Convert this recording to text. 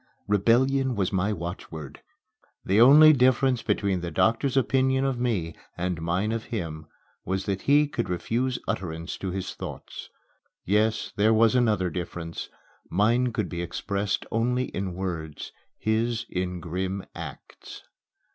Rebellion was my watchword. The only difference between the doctor's opinion of me and mine of him was that he could refuse utterance to his thoughts. Yes there was another difference. Mine could be expressed only in words his in grim acts.